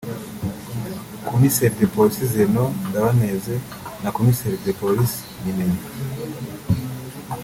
Commissaire de Police Zenon Ndabaneze na Commissaire de Police Nimenya